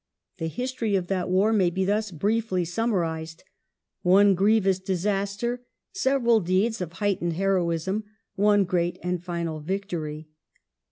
The history of that war may be thus briefly summarized : one grievous disaster, several deeds of heightened heroism, one great and final victory.